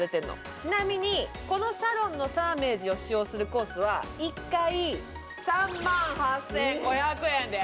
ちなみにこのサロンのサーメージを使用するコースは１回３万８５００円です。